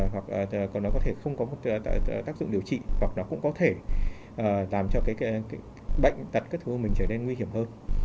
hoặc nó có thể không có tác dụng điều trị hoặc nó cũng có thể làm cho cái bệnh tật cái thương mình trở nên nguy hiểm hơn